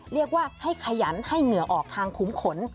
เรียกว่าให้ขยันให้เหงื่อออกทางขุมขน